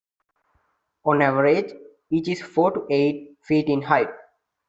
On average, each is four to eight feet in height.